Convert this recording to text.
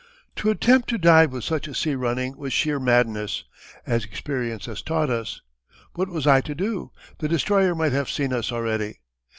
To attempt to dive with such a sea running was sheer madness, as experience has taught us. What was I to do? The destroyer might have seen us already!